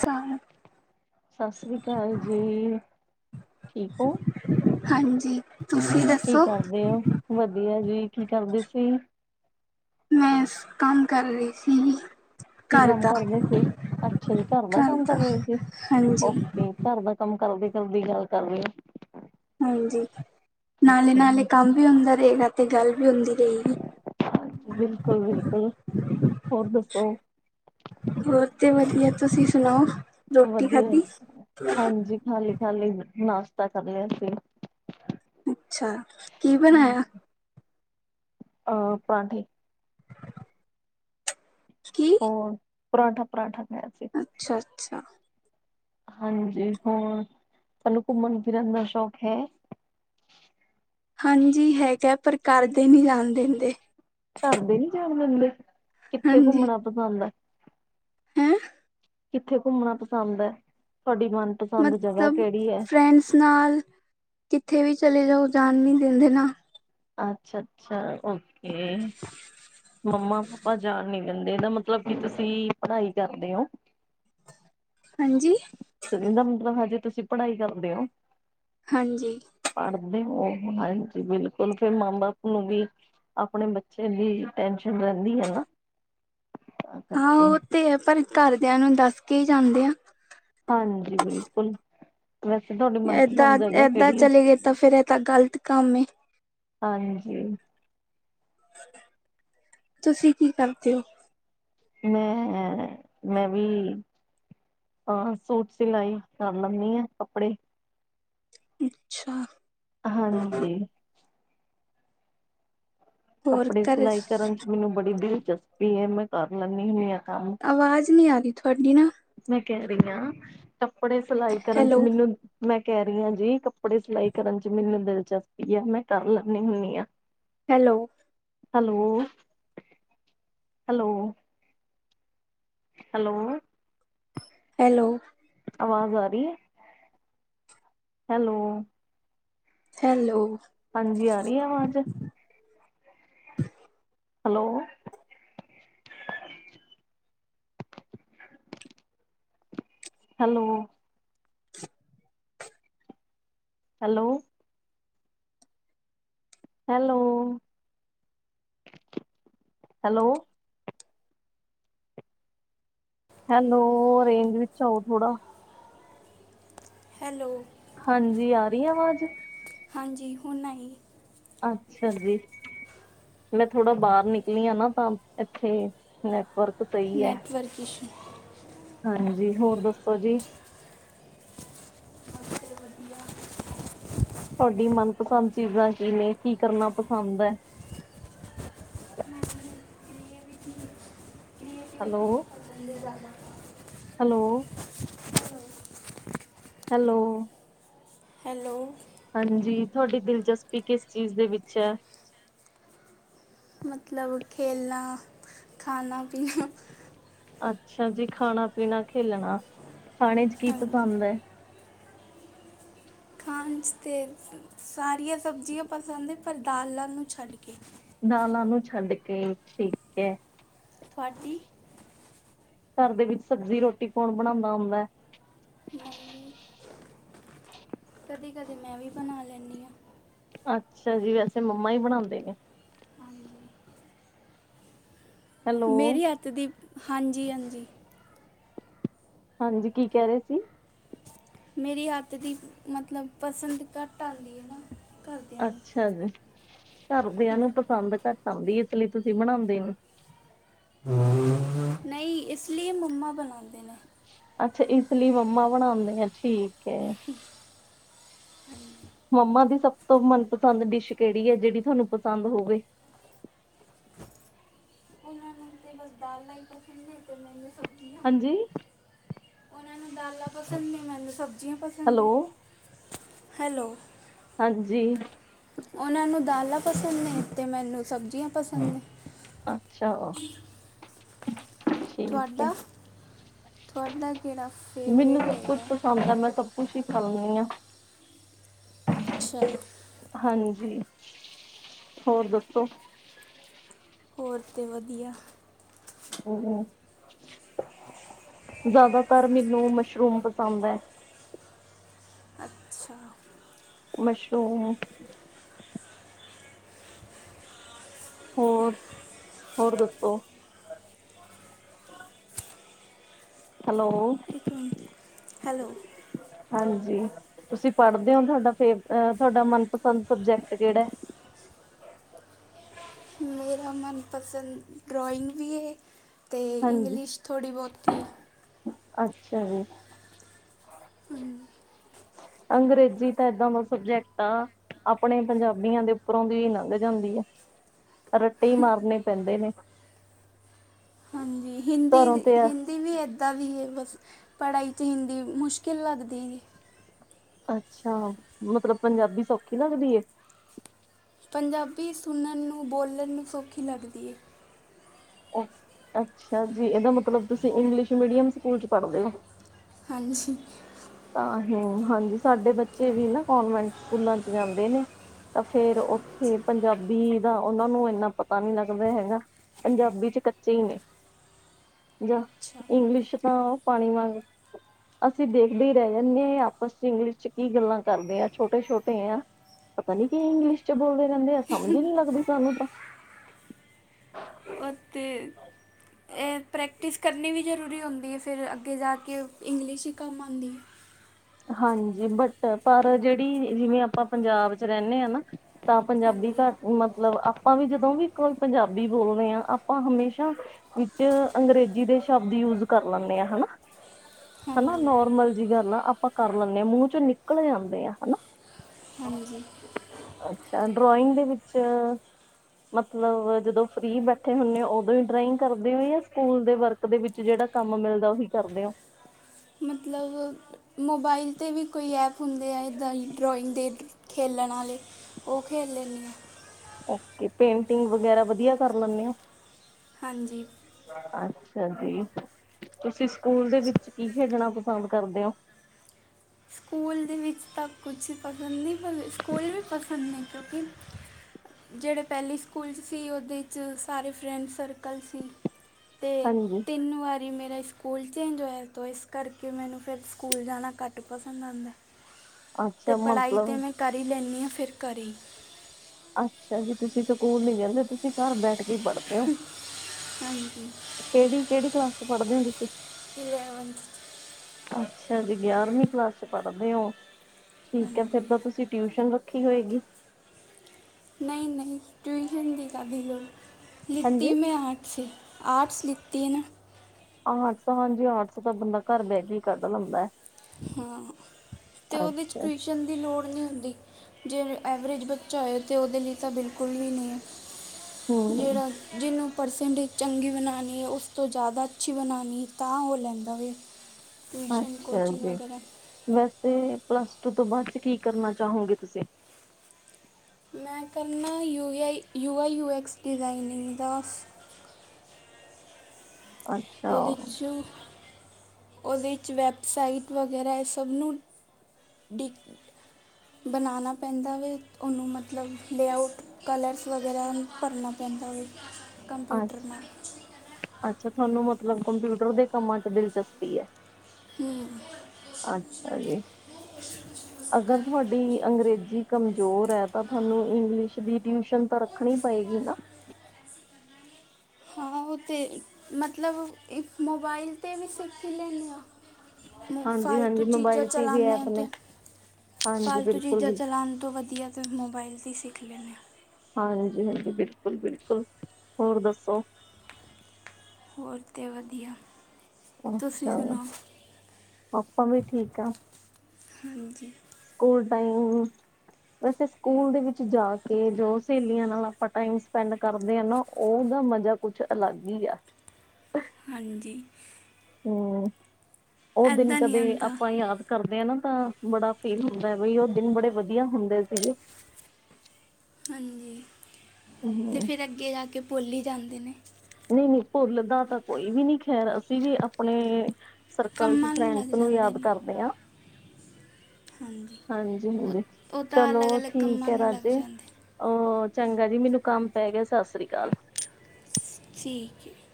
ਸਨ। ਸਤਿ ਸ੍ਰੀ ਅਕਾਲ ਜੀ ਠੀਕ ਹੋ। ਹਾਂਜੀ ਤੁਸੀਂ ਕੀ ਦੱਸੋ? ਕਰਦੇ ਹੋ? ਵਧੀਆ ਜੀ ਕੀ ਕਰਦੇ ਸੀ। ਮੈਂ ਕੰਮ ਕਰ ਰਹੀ ਸੀਗੀ। ਕੀ ਕੰਮ ਕਰ ਰਹੇ ਸੀ, ਅੱਛਾ ਜੀ ਘਰ ਦਾ ਕੰਮ ਕਰ ਰਹੇ ਸੀ ਹਾਂਜੀ ਓਕੇ। ਘਰ ਦਾ ਕੰਮ ਕਰਦੇ ਕਰਦੀ ਗੱਲ ਕਰ ਲਈ। ਹਾਂਜੀ ਨਾਲੇ ਨਾਲੇ ਜੀ, ਕੰਮ ਵੀ ਹੁੰਦਾ ਰਹੇਗਾ ਤੇ ਗੱਲ ਵੀ ਹੁੰਦੀ ਰਹੇਗੀ। ਬਿਲਕੁਲ-ਬਿਲਕੁਲ ਹੋਰ ਦੱਸੋ। ਹੋਰ ਤੇ ਵਧੀਆ ਤੁਸੀਂ ਸੁਣਾਓ ਰੋਟੀ ਵਧੀਆ, ਖਾਧੀ। ਹਾਂਜੀ ਖਾਲੀ ਖਾਲੀ ਨਾਸ਼ਤਾ ਕਰ ਲਿਆ ਸੀ। ਅੱਛਾ ਕੀ ਬਣਾਇਆ। ਅਹ ਆਪਾਂ ਠੀ। ਹ। ਕੀ। ਪੁਰਾਠਾ-ਪੁਰਾਠਾ ਖਾਆ ਸੀ। ਅੱਛਾ, ਅੱਛਾ। ਹਾਂਜੀ ਹੋਰ ਤੁਹਾਨੂੰ ਘੁੰਮਣ ਫਿਰਨ ਦਾ ਸ਼ੌਕ ਹੈ। ਹਾਂਜੀ ਹੈਗਾ ਪਰ ਕਰਦੇ ਨੀ ਜਾਣ ਦਿੰਦੇ। ਘਰ ਦੇ ਨੀ ਜਾਣ ਦੈਂਦੇ ਕਿੱਥੇ ਘੁੰਮਣਾ ਪਸੰਦ ਆ। ਹੈ ਅ। ਕਿੱਥੇ ਘੁੰਮਣਾ ਪਸੰਦ ਹੈ। ਤੁਹਾਡੀ ਮਨ। ਮਤਲਬ ਫਰੈਂਡਸ ਨਾਲ ਕਿੱਥੇ ਵੀ ਚਲੇ ਜਾਓ ਜਾਣ ਨੀ ਦਿੰਦੇ ਨਾ। ਅੱਛਾ ਅੱਛਾ ਓਕੇ ਮੰਮਾ ਪਾਪਾ ਜਾਣ ਨਹੀ ਕਹਿੰਦੇ ਦਾ ਮਤਲਬ ਕੀ ਤੁਸੀਂ ਪੜ੍ਹਾਈ ਕਰਦੇ ਹੋ। ਹਾਂਜੀ। ਇੰਦਾ ਮਤਲਬ ਹਜੇ ਤੁਸੀਂ ਪੜ੍ਹਾਈ ਕਰਦੇ ਹੋ। ਹਾਂਜੀ। ਪੜ੍ਹਦੇ ਉਹ ਹਾਂਜੀ ਬਿਲਕੁਲ ਫੇਰ ਮਾਂ ਬਾਪ ਨੂੰ ਵੀ ਆਪਣੇ ਬੱਚੇ ਦੀ ਟੈਨਸ਼ਨ ਰਹਿੰਦੀ ਹੈ ਨਾ। ਤਾਂ ਹਾਂ ਕਰਕੇ ਉਹ ਤੇ ਹੈ, ਪਰ ਘਰਦਿਆਂ ਨੂੰ ਦੱਸ ਕੇ ਹੀ ਜਾਂਦੇ ਆ ਹਾਂਜੀ ਬਿਲਕੁਲ [unintelligible] ਏਦਾਂ ਜਗ੍ਹਾ ਏਦਾਂ ਕਿਹੜੀ ਹੈ? ਚਲੇ ਗਏ, ਤਾਂ ਫੇਰ ਇਹ ਤਾਂ ਗ਼ਲਤ ਕੰਮ ਏ ਹਾਂਜੀ ਤੁਸੀਂ ਕੀ ਕਰਦੇ ਹੋ ਹੂ ਹੂ, ਮੈਂ ਵੀ ਹਾਂ ਸੂਟ ਸਿਲਾਈ ਕਰ ਲੈਂਨੀਂ ਆ ਕੱਪੜੇ ਅੱਛਾ ਹਾਂਜੀ ਹੋਰ ਕੱਪੜੇ ਘਰੇ ਸਿਲਾਈ ਕਰਨ ਚ ਮੈਨੂੰ ਬੜੀ ਦਿਲਚਸਪੀ ਹੈ, ਮੈਂ ਕਰ ਲੈਂਨੀਂ ਹੁੰਨੀਂ ਆਂ ਕੰਮ ਆਵਾਜ਼ ਨਹੀਂ ਆ ਰਹੀ ਤੁਹਾਡੀ ਨਾ ਮੈਂ ਕਹਿ ਰਹੀ ਆਂ, ਕੱਪੜੇ ਸਿਲਾਈ ਕਰਨ ਚ ਹੈਲੋ ਮੈਨੂੰ ਮੈਂ ਕਹਿ ਰਹੀ ਹਾਂ ਜੀ ਕੱਪੜੇ ਸਿਲਾਈ ਕਰਨ ਚ ਮੈਨੂੰ ਦਿਲਚਸਪੀ ਐ, ਮੈਂ ਕਰ ਲੈਂਨੀ ਹੁੰਨੀ ਆਂ hello hello hello hello hello ਅਵਾਜ਼ ਆ ਰਹੀ ਏ ਹੈਲੋ ਹੈਲੋ ਹਾਂਜੀ ਆ ਰਹੀ ਏ ਆਵਾਜ hello hello hello hello hello hello range ਵਿੱਚ ਆਓ ਥੋੜਾ ਹੈਲੋ ਹਾਂਜੀ ਆ ਰਹੀ ਐ ਆਵਾਜ਼ ਹਾਂਜੀ ਹੁਣ ਆਈ ਅੱਛਾ ਜੀ ਮੈਂ ਥੋੜਾ ਬਾਹਰ ਨਿਕਲੀ ਆਂ ਨਾ, ਤਾਂ ਇੱਥੇ ਨੈਟਵਰਕ ਸਹੀ ਹੈ ਵਰਗੀਸ਼ ਹਾਂਜੀ ਹੋਰ ਦੱਸੋ ਜੀ ਤੁਹਾਡੀ ਮਨਪਸੰਦ ਚੀਜ਼ਾਂ ਕੀ ਨੇ, ਕੀ ਕਰਨਾ ਪਸੰਦ ਹੈ ਹੈਲੋ [inaudible] ਹੈਲੋ ਹੈਲੋ ਹੈਲੋ ਹਾਂਜੀ ਤੁਹਾਡੀ ਦਿਲਚਸਪੀ ਕਿਸ ਚੀਜ਼ ਦੇ ਵਿੱਚ ਹੈ ਮਤਲਬ ਖੇਲਣਾ ਖਾਣਾ ਪੀਣਾ ਅੱਛਾ ਜੀ ਖਾਣਾ ਪੀਣਾ ਖੇਲਣਾ, ਖਾਣੇ ਚ ਕੀ ਹਾਂਜੀ ਪਸੰਦ ਹੈ ਖਾਣ 'ਚ ਤੇ ਸਾਰੀਆਂ ਸਬਜ਼ੀਆਂ ਪਸੰਦ ਹੈ, ਪਰ ਦਾਲਾ ਨੂੰ ਛੱਡ ਕੇ ਦਾਲਾਂ ਨੂੰ ਛੱਡ ਕੇ, ਠੀਕ ਐ। ਫਾਡੀ ਘਰ ਦੇ ਵਿੱਚ ਸਬਜ਼ੀ-ਰੋਟੀ ਕੌਨ ਬਨਾਦਾ ਹੁੰਦੈ। ਮੰਮੀ, ਕਦੀ-ਕਦੀ ਮੈਂ ਵੀ ਬਨਾ ਲੈਂਨੀ ਆਂ। ਅੱਛਾ ਜੀ, ਵੈਸੇ ਮੰਮਾ ਈ ਬਨਾਂਦੇ ਨੇ। ਹਾਂਜੀ। ਹੈਲੋ ਮੇਰੀ ਹੱਥ ਦੀ, ਹਾਂਜੀ-ਹਾਂਜੀ। ਹਾਂਜੀ ਕੀ ਕੈ ਰੇ ਸੀ? ਮੇਰੀ ਹੱਥ ਦੀ, ਮਤਲਬ ਪਸੰਦ ਘੱਟ ਆਂਦੀ ਐ ਨਾ। ਘਰਦਿਆਂ ਨੂੰ ਅੱਛਾ ਜੀ, ਘਰਦਿਆਂ ਨੂੰ ਪਸੰਦ ਘੱਟ ਆਂਦੀ ਐ ਏਸ ਲਈ ਤੁਸੀਂ ਬਨਾਂਦੇ ਨੀ। ਨਈਂ ਇਸ ਲੀਏ ਮੰਮਾ ਬਨਾਂਦੇ ਨੇ। ਅੱਛਾ ਇਸ ਲਈ ਮੰਮਾ ਬਨਾਂਦੇ ਨੇ ਠੀਕ ਐ। ਮੰਮਾ ਦੀ ਸਭ ਤੋਂ ਮਨਪਸੰਦ ਡਿਸ਼ ਕੇੜੀ ਐ ਜੇੜੀ ਥੋਨੂੰ ਪਸੰਦ ਹੋਵੇ। ਓਨਾਂ ਨੂੰ ਤੇ ਬਸ ਦਾਲਾਂ ਈ ਪਸੰਦ ਨੇ ਤੇ ਮੈਨੂੰ ਸਬਜ਼ੀਆਂ ਹਾਂਜੀ। ਓਨਾ ਨੂੰ ਦਾਲਾਂ ਪਸੰਦ ਨੇ, ਮੈਨੂੰ ਸਬਜ਼ੀਆਂ ਪਸੰ ਹੈਲੋ ਹੈਲੋ ਹਾਂਜੀ। ਓਨਾਂ ਨੂੰ ਦਾਲਾਂ ਪਸੰਦ ਨੇ ਤੇ ਮੈਨੂੰ ਸਬਜ਼ੀਆਂ ਪਸੰਦ ਨੇ। ਅੱਛਾ। ਠੀਕ ਐ, ਤੁਹਾਡਾ ਤੁਹਾਡਾ ਕਿਹੜਾ ਮੈਨੂੰ ਫੇਵਰੇਟ ਸਬ ਹੈਗਾ ਕੁਛ ਹੁਨ ਤਾਂ ਮੈਂ ਸਬ ਕੁੱਛ ਈ ਖਾਨੀਂ ਆਂ। ਅੱਛਾ। ਹਾਂਜੀ, ਹੋਰ ਦੱਸੋ ਹੋਰ ਤੇ ਵਦੀਆ ਹੂੰ-ਹੂੰ, ਜਾਦਾਤਰ ਮੈਨੂੰ ਮਸ਼ਰੂਮ ਪਸੰਦ ਐ। ਅੱਛਾ। ਮਸ਼ਰੂਮ ਹੋਰ, ਹੋਰ ਦੱਸੋ ਹੈਲੋ ਇੱਕ ਹੈਲੋ ਹਾਂਜੀ। ਤੁਸੀਂ ਪੜ੍ਹਦੇ ਓਂ ਥੋਡਾ ਫੇਰ ਅ ਥੋਡਾ ਮਨਪਸੰਦ ਸਬਜੈਕਟ ਕੇੜੈ। ਮੇਰਾ ਮਨਪਸੰਦ ਡਰਾਇੰਗ ਵੀ ਏ, ਤੇ ਹਾਂਜੀ ਇੰਗਲਿਸ਼ ਥੋੜ੍ਹੀ ਬੋਤੀ। ਅੱਛਾ ਜੀ। ਹੂੰ। ਅੰਗਰੇਜ਼ੀ ਤਾਂ ਏਦਾਂ ਦਾ ਸਬਜੈਕਟ ਆ ਆਪਨੇ ਪੰਜਾਬੀਆਂ ਦੇ ਉੱਪਰੋਂ ਦੀ ਈ ਲੰਘ ਜਾਂਦੀ ਆਂ। ਰੱਟੇ ਈ ਮਾਰਨੇ ਪੈਂਦੇ ਨੇ। ਹਾਂਜੀ। ਹਿੰਦੀ ਘਰੋਂ ਦੀ, ਤੇ ਹਿੰਦੀ ਵੀ ਏਦਾਂ ਦੀ ਐ ਬਸ, ਪੜ੍ਹਾਈ ਚ ਹਿੰਦੀ ਮੁਸ਼ਕਿਲ ਲੱਗਦੀ ਨੀ। ਅੱਛਾ, ਮਤਲਬ ਪੰਜਾਬੀ ਸੌਖੀ ਲੱਗਦੀ ਏ। ਪੰਜਾਬੀ ਸੁਨਨ ਨੂੰ, ਬੋਲਨ ਨੂੰ ਸੌਖੀ ਲੱਗਦੀ ਏ। ਅ, ਅੱਛਾ ਜੀ ਏਦਾ ਮਤਲਬ ਤੁਸੀਂ ਇੰਗਲਿਸ਼ ਮੀਡੀਅਮ ਸਕੂਲ ਚ ਪੜਦੇ ਓਂ। ਹਾਂਜੀ। ਤਾਂਹੀ ਹਾਂਜੀ, ਸਾਡੇ ਬੱਚੇ ਵੀ ਨਾ, ਕਨਵੈਂਟ ਸਕੂਲਾਂ ਚ' ਜਾਂਦੇ ਨੇ। ਤਾਂ ਫੇਰ, ਉੱਥੇ ਪੰਜਾਬੀ ਦਾ ਉਹਨਾਂ ਨੂੰ ਇੰਨਾ ਪਤਾ ਨਹੀਂ ਲੱਗਦਾ ਹੈਗਾ। ਪੰਜਾਬੀ ਵਿਚ ਕੱਚੇ ਈ ਨੇ। ਜਾਂ, ਅੱਛਾ ਇੰਗਲਿਸ਼ ਤਾਂ ਪਾਣੀ ਵਾਂਗ, ਅਸੀਂ ਦੇਖ। ਦੇ ਰਹਿ ਜਾਂਦੇ ਆ ਆਪਸ 'ਚ, ਇੰਗਲਿਸ਼ 'ਚ ਕੀ ਗੱਲਾਂ ਕਰਦੇ ਆ, ਛੋਟੇ ਛੋਟੇ ਆ। ਪਤਾ ਨੀ ਕੀ ਇੰਗਲਿਸ਼ 'ਚ ਬੋਲਦੇ ਰਹਿੰਦੇ ਆ, ਸਮਝ ਹੀ ਨਹੀਂ ਲੱਗਦੀ ਸਾਨੂੰ ਤਾਂ। ਅਤੇ। ਇਹ ਪ੍ਰੈਕਟਿਸ ਕਰਨੀ ਵੀ ਜ਼ਰੂਰੀ ਹੁੰਦੀ ਹੈ ਫਿਰ, ਅੱਗੇ ਜਾ ਕੇ ਇੰਗਲਿਸ਼ ਹੀ ਕੰਮ ਆਉਂਦੀ ਹੈ। ਹਾਂਜੀ, ਬਟ, ਪਰ ਜਿਹੜੀ, ਜਿਵੇਂ ਆਪਾਂ ਪੰਜਾਬ 'ਚ ਰਹਿੰਦੇ ਹਾਂ ਨਾ। ਤਾਂ ਪੰਜਾਬੀ, ਹਾਂਜੀ ਪਰ ਮਤਲਬ, ਆਪਾਂ ਵੀ ਜਦੋਂ ਵੀ ਕੋਲ ਪੰਜਾਬੀ ਬੋਲਦੇ ਹਾਂ, ਆਪਾਂ ਹਮੇਸ਼ਾ। ਵਿੱਚ ਅੰਗਰੇਜ਼ੀ ਦੇ ਸ਼ਬਦ ਯੂਜ ਕਰ ਲੈਂਦੇ ਆ, ਹਨਾ। ਹਨਾ, ਹਾਂਜੀ ਨੋਰਮਲ ਜਿਹੀ ਗੱਲ ਆ ਆਪਾਂ ਕਰ ਲੈਣੇ, ਮੂੰਹ ਚੋਂ ਨਿਕਲ ਜਾਂਦੇ ਆ ਹਨਾ। ਹਾਂਜੀ। ਅੱਛਾ, ਡਰਾਇੰਗ ਦੇ ਵਿੱਚ। ਮਤਲਬ, ਜਦੋਂ ਫ੍ਰੀ ਬੈਠੇ ਹੁਣੇ, ਉਦੋਂ ਹੀ ਡਰਾਇੰਗ ਕਰਦੇ, ਜਾਂ ਸਕੂਲ ਦੇ ਵਰਕ। ਦੇ ਵਿੱਚ ਜਿਹੜਾ ਕੰਮ ਮਿਲਦਾ, ਉਹੀ ਕਰਨੇ ਆ। ਮਤਲਬ। ਮੋਬਾਈਲ 'ਤੇ ਵੀ ਕੋਈ ਐਪ ਹੁੰਦੇ ਆ ਇੱਦਾਂ ਈ, ਡਰਾਇੰਗ ਦੇਖ ਖੇਲਣ ਵਾਲੇ। ਉਹ ਖੇਲ ਲੈਣੇ ਆ। ਓਕੇ, ਪੇਂਟਿੰਗ ਵਗੈਰਾ ਵਧੀਆ ਕਰ ਲੈਣੇ ਓ। ਹਾਂਜੀ। ਅੱਛਾ ਜੀ, ਤੁਸੀਂ ਸਕੂਲ ਦੇ ਵਿੱਚ ਕੀ ਖੇਡਣਾ ਪਸੰਦ ਕਰਦੇ ਹੋ। ਸਕੂਲ ਦੇ ਵਿੱਚ ਤਾਂ ਕੁਛ ਪਸੰਦ ਨਹੀਂ, ਪਰ ਸਕੂਲ ਵੀ ਪਸੰਦ ਨਹੀਂ ਕਿਉਂਕਿ। ਜਿਹੜੇ ਪਹਿਲੇ ਸਕੂਲ 'ਚ ਸੀ, ਉਹਦੇ 'ਚ ਸਾਰੇ ਫਰੈਂਡ ਸਰਕਲ ਸੀ। ਇਹ, ਹਾਂਜੀ, ਤਿੰਨ ਵਾਰੀ ਮੇਰੇ ਸ। ਸਕੂਲ ਚੇਂਜ ਹੋਇਆ ਤਾਂ ਇਸ ਕਰਕੇ, ਮੈਨੂੰ ਫਿਰ ਸਕੂਲ ਜਾਣਾ ਘੱਟ ਪਸੰਦ ਆਉਂਦਾ। ਅਤੇ ਅੱਛਾ ਪੜ੍ਹਾਈ ਤੇ ਮਤਲਬ ਮੈਂ ਕਰ ਈ ਲੈਣੀ ਹਾਂ ਫਿਰ ਘਰੇ। ਅੱਛਾ ਜੀ, ਤੁਸੀ ਸਕੂਲ ਨੀ ਜਾਂਦੇ, ਤੁਸੀਂ ਘਰ ਬੈਠ ਕੇ ਈ ਪੜ੍ਹਦੇ ਓ। ਹਾਂਜੀ। ਕਿਹੜੀ, ਕਿਹੜੀ ਕਲਾਸ 'ਚ ਪੜ੍ਹਦੇ ਹੋ ਤੁਸੀ। ਗਿਆਰਵੀਂ [unintelligible] ਅੱਛਾ ਜੀ, ਗਿਆਰਵੀਂ ਕਲਾਸ ਚ ਪੜ੍ਹਦੇ ਹੋ, ਠੀਕ ਹੈ, ਫੇਰ ਹਾਂਜੀ ਤਾਂ ਤੁਸੀ। ਟਿਊਸ਼ਨ ਰੱਖੀ ਹੋਏਗੀ। ਨਹੀਂ, ਨਹੀਂ, ਟਿਊਸ਼ਨ ਨਹੀਂ ਕਰਦੀ ਮੈਂ, ਲਿਤੀ ਹਾਂਜੀ ਮੈਂ ਆਰਟਸ ਏ। ਆਰਟਸ ਲਿੱਤੀ ਏ ਨਾ। ਆਰਟਸ ਤਾਂ, ਹਾਂਜੀ, ਆਰਟਸ ਤਾਂ ਬੰਦਾ ਘਰ ਬਹਿ ਕੇ ਹੀ ਕਰਦਾ ਹੁੰਦਾ। ਹਾਂ ਤੇ ਉਹਦੇ 'ਚ ਅੱਛਾ ਟਿਊਸ਼ਨ ਦੀ ਲੋੜ ਨਹੀਂ ਹੁੰਦੀ। ਜੇ ਐਵਰੇਜ ਬੱਚਾ ਹੋਏ ਤਾਂ ਉਹਦੇ ਲਈ ਤਾਂ ਬਿਲਕੁਲ ਵੀ ਨਹੀਂ ਹੈ। ਹਮ ਜਿਹੜਾ, ਜਿਹਨੂੰ। ਪਰਸੈਂਟੇਜ ਚੰਗੀ ਬਣਾਉਣੀ ਹੈ, ਉਸ ਤੋਂ ਜ਼ਿਆਦਾ ਅੱਛੀ ਬਣਾਉਣੀ ਏ, ਤਾਂ ਉਹ ਲੈਂਦਾ ਵੇ। ਅੱਛਾ ਜੀ, ਵੈਸੇ ਪਲੱਸ ਟੂ ਤੋਂ ਬਾਅਦ 'ਚ ਕੀ ਕਰਨਾ ਚਾਹੋਗੇ ਤੁਸੀਂ। ਮੈਂ ਕਰਨੈ U I, U I, U X designing ਦਾ। ਅੱਛਾ ਉਹਦੇ 'ਚ ਉਹਦੇ 'ਚ ਵੈਬਸਾਈਟ ਵਗੈਰਾ ਹੈ ਸਭ ਨੂੰ, ਡ [unintelligible] ਬਨਾਨਾ ਪੈਂਦਾ ਵੇ, ਓਨੂੰ ਮਤਲਬ ਲੇਅਊਟ ਕਲਰਸ ਵਗੈਰਾ ਭਰਨਾ ਪੈਂਦਾ ਓ। ਅੱ ਅੱਛਾ ਥੋਨੂੰ ਮਤਲਬ ਕੰਪਿਊਟਰ ਦੇ ਕੰਮਾਂ 'ਚ ਦਿਲਚਸਪੀ ਏ। ਹਮ, ਅੱਛਾ ਜੀ, ਅਗਰ ਥੋਆਡੀ ਅੰਗਰੇਜ਼ੀ ਕਮਜ਼ੋਰ ਐ, ਤਾਂ ਥਾਨੂੰ ਇੰਗਲਿਸ਼ ਦੀ ਟਿਊਸ਼ਨ ਤਾਂ ਰੱਖਣੀ ਪਏਗੀ ਨਾ। ਹਾਂ ਓ, ਤੇ ਮਤਲਬ ਇੱਕ ਮੋਬਾਈਲ 'ਤੇ ਵੀ ਸਿੱਖ ਈ ਲੈਂਨੇ ਆਂ। ਫਾਲਤੂ ਹਾਂਜੀ-ਹਾਂਜੀ ਚੀਜ਼ਾਂ ਮੋਬਾਇਲ ਤੇ ਵੀ ਚਲਾਨੇ ਆਂ ਐਪ ਤੇ। ਨੇ ਹਾਂਜੀ ਫਾਲਤੂ ਚੀਜਾਂ ਬਿਲਕੁਲ-ਬਿਲਕੁਲ ਚਲਾਨ ਤੋਂ ਵਧੀਆ ਤਾਂ ਮੋਬਾਇਲ ਦੀ ਹੀ ਸਿੱਖ ਲੈਂਨੇ ਆਂ। ਹਾਂਜੀ-ਹਾਂਜੀ, ਬਿਲਕੁਲ-ਬਿਲਕੁਲ, ਹੋਰ ਦੱਸੋ। ਹੋਰ ਤੇ ਵਦੀਆ ਤੁਸੀ ਅੱਛਾ ਸੁਣਾਓ, ਆਪਾਂ ਵੀ ਠੀਕ ਆ ਹਾਂਜੀ। ਸਕੂਲ ਟਾਈਮ ਵੈਸੇ ਸਕੂਲ ਦੇ ਵਿੱਚ ਜਾ ਕੇ ਜੋ ਸੇਲੀਆਂ ਨਾਲ ਆਪਾਂ ਟਾਈਮ ਸਪੈਂਡ ਕਰਦੇ ਆਂ ਨਾਂ ਔ ਦਾ ਮਜਾ ਕੁੱਛ ਅਲੱਗ ਈ ਆ। ਹਾਂਜੀ। ਹੂੰ, ਓ ਦਿਨ ਐਦਾਂ ਨਹੀਂ ਕਦੇ ਆਉਂਦਾ ਆਪਾਂ ਯਾਦ ਕਰਦੇ ਆ ਨਾ, ਤਾਂ ਬੜਾ ਫੀਲ ਹੁੰਦਾ ਬਈ ਔ ਦਿਨ ਬੜੇ ਵਧੀਆ ਹੁੰਦੇ ਸੀਗੇ। ਹਾਂਜੀ, ਤੇ ਹੂੰ ਫਿਰ ਅੱਗੇ ਜਾ ਕੇ ਭੋਲ ਈ ਜਾਂਦੇ ਨੇ। ਨਈਂ ਨੀ ਭੁੱਲਦਾ ਤਾਂ ਕੋਈ ਵੀ ਨੀ ਖੈਰ, ਅਸੀ ਵੀ ਅਪਣੇ ਸਰਕਲ ਚ ਕੰਮਾਂ ਲੱਗ ਫਰੈਂਡਸ ਨੂੰ ਜਾਂਦੇ ਯਾਦ ਨੇ ਕਰਦੇ ਆਂ। ਹਾਂਜੀ ਉਹ ਹਾਂਜੀ-ਹਾਂਜੀ, ਉਹ ਤਾਂ ਅਲੱਗ ਚਲੋ ਅਲੱਗ ਠੀਕ ਕੰਮਾਂ ਐ ਨੂੰ ਲੱਗ ਰਾਜੇ। ਜਾਂਦੇ ਓ ਚੰਗਾ ਜੀ, ਮੈਨੂੰ ਕੰਮ ਪੈ ਗਿਆ, ਸਸ੍ਰੀ ਅਕਾਲ। ਠੀਕ ਏ।